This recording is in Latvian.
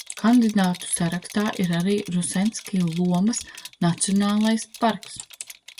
Kandidātu sarakstā ir arī Rusenski Lomas nacionālais parks.